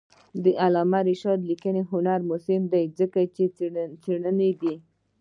د علامه رشاد لیکنی هنر مهم دی ځکه چې څېړونکی دی.